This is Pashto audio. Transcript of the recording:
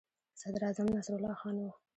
صدراعظم نصرالله خان وو.